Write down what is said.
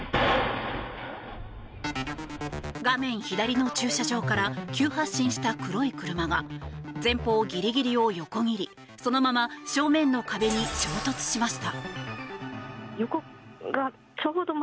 画面左の駐車場から急発進した黒い車が前方ギリギリを横切りそのまま正面の壁に衝突しました。